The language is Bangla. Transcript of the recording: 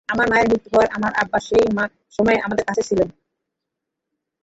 আমার মায়ের মৃত্যুর পরে আমার আব্বা সেই সময়ে আমাদের কাছে ছিলেন।